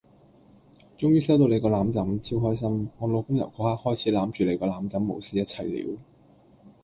終於收到你個攬枕！超開心！我老公由個刻開始攬住你個攬枕無視一切了